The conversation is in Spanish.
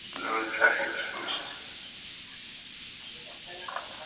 De carácter fuerte, requieren más paciencia en el entrenamiento que otras razas.